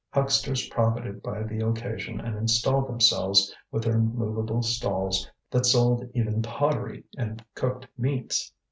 Hucksters profited by the occasion and installed themselves with their movable stalls that sold even pottery and cooked meats.